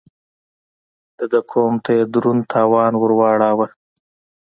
د ده قوم ته يې دروند تاوان ور واړاوه.